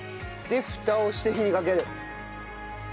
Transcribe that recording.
で蓋をして火にかける。